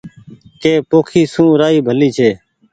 ڪي پوکي سون رآئي ڀلي ڇي